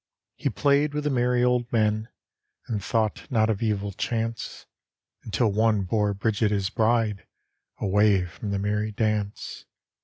He played with the merry old men, And thought not of evil chance, Until one bore Bridget his bride Away from the merry dance.